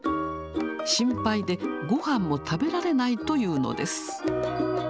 心配で、ごはんも食べられないというのです。